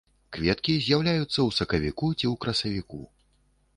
Кветкі з'яўляюцца ў сакавіку ці ў красавіку.